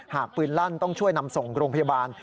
หากปืนลั่นต้องช่วยนำส่งโรงพยาบาล